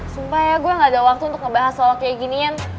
supaya gue gak ada waktu untuk ngebahas soal kayak ginian